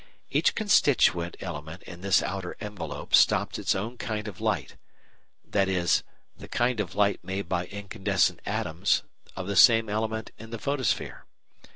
Each constituent element in this outer envelope stops its own kind of light, that is, the kind of light made by incandescent atoms of the same element in the photosphere.